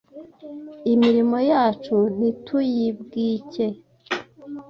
Imirimo yacu ntituyibwike;